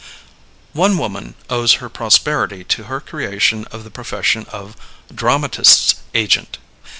One woman owes her prosperity to her creation of the profession of "dramatists' agent."